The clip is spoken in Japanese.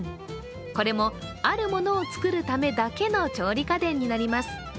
これも、あるものを作るためだけの調理家電になります。